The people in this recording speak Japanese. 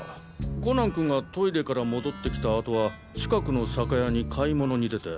コナン君がトイレから戻ってきた後は近くの酒屋に買い物に出て。